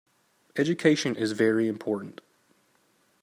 Education is very important.